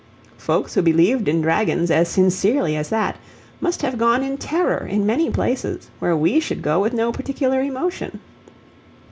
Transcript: Folks who believed in dragons as sincerely as that, must have gone in terror in many places where we should go with no particular emotion.